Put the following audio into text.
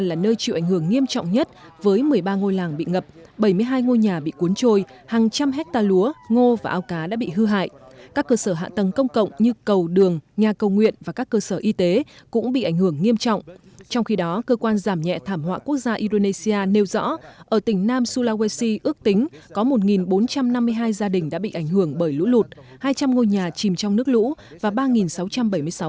đại diện cơ quan giảm nhẹ thảm họa quốc gia indonesia cho biết tại khu vực bắc konawe tỉnh đông nam sulawesi đã có bốn một trăm chín mươi tám người được sơ tán đến các tỉnh trên đảo sulawesi